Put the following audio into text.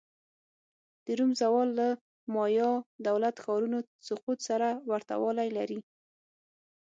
د روم زوال له مایا دولت-ښارونو سقوط سره ورته والی لري